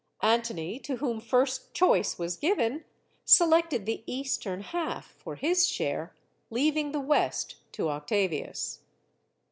Antony, to whom first choice was given, selected the eastern half for his share, leaving the west to Octavius.